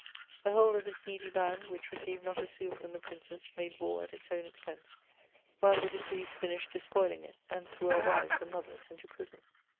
The whole of this needy band, which received not a sou from the Princes, made war at its own expense, while the decrees finished despoiling it and threw our wives and mothers into prison.